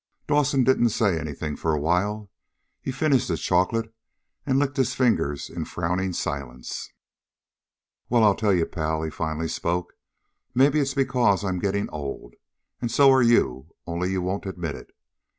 Dawson didn't say anything for a while. He finished his chocolate and licked his fingers in frowning silence. "Well, I'll tell you, pal," he finally spoke. "Maybe it's because I'm getting old. And so are you, only you won't admit it.